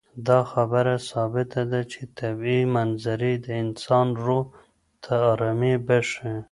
دا خبره ثابته ده چې طبیعي منظرې د انسان روح ته ارامي بښي.